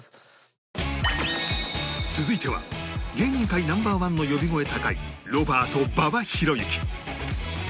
続いては芸人界 Ｎｏ．１ の呼び声高いロバート馬場裕之